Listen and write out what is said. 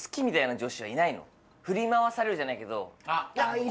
振り回されるじゃないけど。